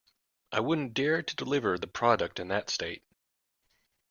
I wouldn't dare to deliver the product in that state.